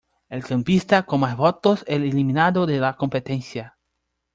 El campista con más votos es eliminado de la competencia.